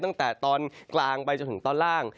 ตั้งแต่ตอนกลางไปจนถึงตอนล่าง